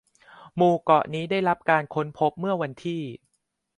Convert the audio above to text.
หมู่เกาะนี้ได้รับการค้นพบเมื่อวันที่